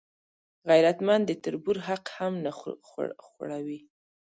غیرتمند د تربور حق هم نه خوړوي